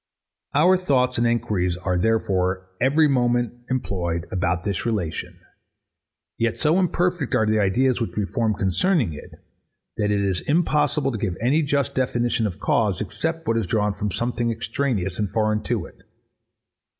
Our thoughts and enquiries are, therefore, every moment, employed about this relation: Yet so imperfect are the ideas which we form concerning it, that it is impossible to give any just definition of cause, except what is drawn from something extraneous and foreign to it.